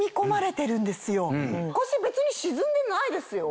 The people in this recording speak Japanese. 腰別に沈んでないですよ。